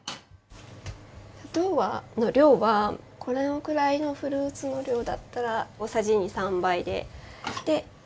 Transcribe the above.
砂糖の量はこれぐらいのフルーツの量だったら大さじ２３杯で。